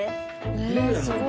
へえすごい。